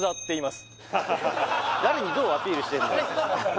誰にどうアピールしてんだよ